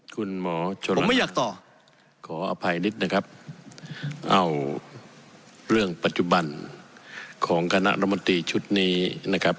คุณหมอชนผมไม่อยากต่อขออภัยนิดนะครับเอาเรื่องปัจจุบันของคณะรมนตรีชุดนี้นะครับ